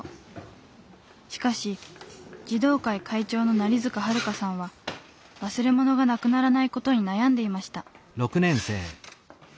しかし児童会会長の成塚元香さんは忘れ物がなくならない事に悩んでいました。